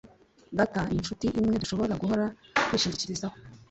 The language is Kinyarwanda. data ni inshuti imwe dushobora guhora twishingikirizaho.